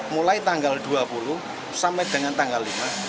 mulai tanggal dua puluh sampai dengan tanggal lima